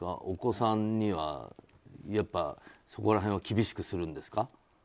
お子さんにはそこら辺は厳しくするんですか。